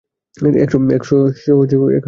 একশো পঞ্চাশ টাকা।